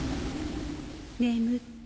・眠って。